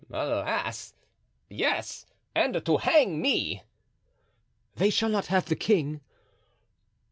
"Alas! yes, and to hang me." "They shall not have the king."